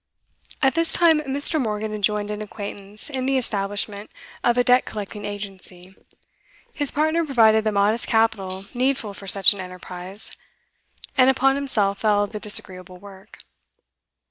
At this time, Mr. Morgan had joined an acquaintance in the establishment of a debt collecting agency; his partner provided the modest capital needful for such an enterprise, and upon himself fell the disagreeable work.